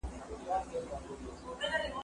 دا مڼې له هغه تازه دي